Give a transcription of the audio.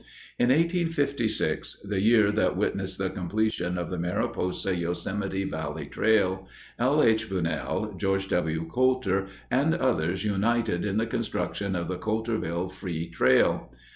In 1856, the year that witnessed the completion of the Mariposa Yosemite Valley Trail, L. H. Bunnell, George W. Coulter, and others united in the construction of the "Coulterville Free Trail."